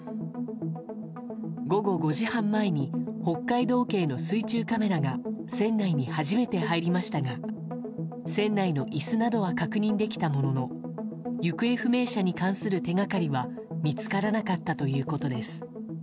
午後５時半前に北海道警の水中カメラが船内に初めて入りましたが船内の椅子などは確認できたものの行方不明者に関する手掛かりは見つからなかったということです。